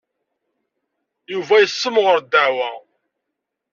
Yuba yessemɣer ddeɛwa.